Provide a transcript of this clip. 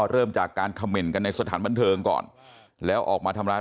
เริ่มจากการเขม่นกันในสถานบันเทิงก่อนแล้วออกมาทำร้าย